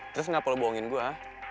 terus kenapa lo bohongin gue